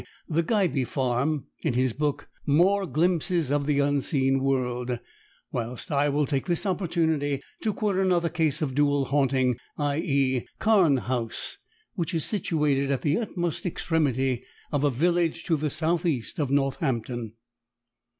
_, "The Gybe Farm," in his book, "More Glimpses of the Unseen World" whilst I will take this opportunity to quote another case of dual haunting, i.e., Carne House, which is situated at the utmost extremity of a village to the south east of Northampton.